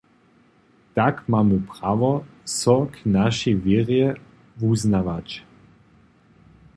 Tak mamy prawo, so k našej wěrje wuznawać.